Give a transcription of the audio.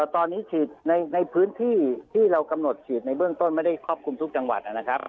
ตอนนี้ฉีดในพื้นที่ที่เรากำหนดฉีดในเบื้องต้นไม่ได้ครอบคลุมทุกจังหวัดนะครับ